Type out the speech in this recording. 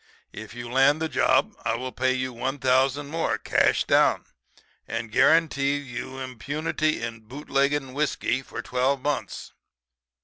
If you land the job I will pay you $1,000 more, cash down, and guarantee you impunity in boot legging whiskey for twelve months.